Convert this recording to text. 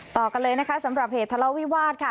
ต่อกันเลยนะคะสำหรับเหตุทะเลาวิวาสค่ะ